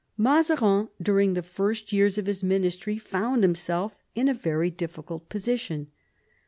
Mazarin, during the first years of his ministry, found himself in a very diflBcult position.